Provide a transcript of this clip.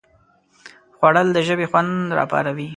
خوړل د ژبې خوند راپاروي